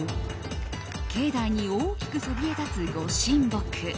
境内に大きくそびえ立つ、ご神木。